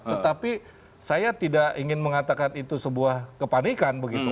tetapi saya tidak ingin mengatakan itu sebuah kepanikan begitu